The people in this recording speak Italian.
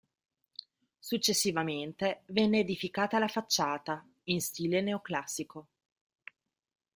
Successivamente venne edificata la facciata, in stile neoclassico.